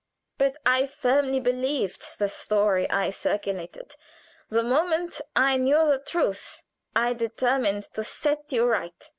But I firmly believed the story I circulated. The moment I knew the truth I determined to set you right.